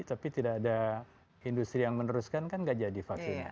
tapi tidak ada industri yang meneruskan kan tidak jadi vaksinnya